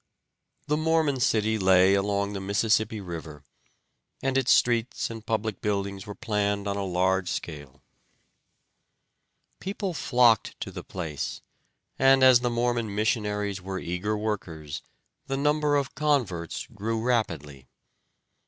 The Mormon city lay along the Mississippi River, and its streets and public buildings were planned on a large scale. People flocked to the place, and as the Mormon missionaries were eager workers the number of converts grew rapidly.